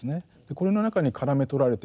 これの中にからめとられていく。